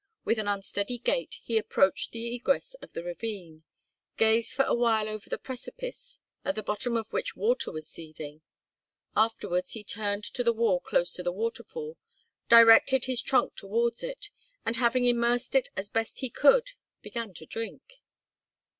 With an unsteady gait he approached the egress of the ravine, gazed for a while over the precipice, at the bottom of which water was seething; afterwards he turned to the wall close to the waterfall, directed his trunk towards it, and, having immersed it as best he could, began to drink.